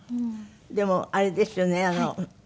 でもあれですよね。